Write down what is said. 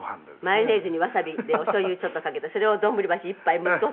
「マヨネーズにわさびでおしょうゆちょっとかけてそれを丼鉢いっぱい息子と」